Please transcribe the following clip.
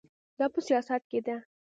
دا په سیاست کې ده.